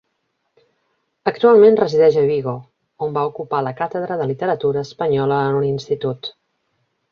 Actualment resideix a Vigo, on va ocupar la càtedra de literatura espanyola en un institut.